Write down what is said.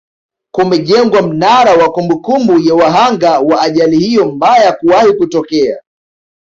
kumejengwa mnara wa kumbukumbu ya wahanga wa ajali hiyo mbaya kuwahi kutokea